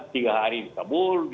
tiga hari di kabul